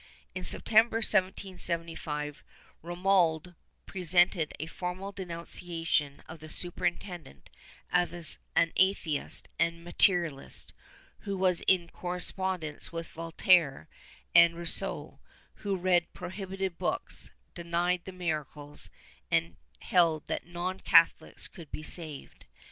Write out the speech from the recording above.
In September, 1775, Romuald pre sented a formal denunciation of the Superintendent as an atheist and materialist, who was in correspondence with Voltaire and Rousseau, who read prohibited books, denied the miracles, and held that non Catholics could be saved.